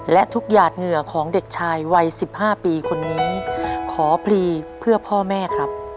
และทุกหยาดเหงื่อของเด็กชายวัย๑๕ปีคนนี้ขอพลีเพื่อพ่อแม่ครับ